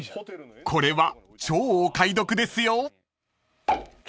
［これは超お買い得ですよ］